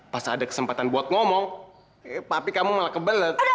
pas ada kesempatan buat ngomong tapi kamu malah kebelet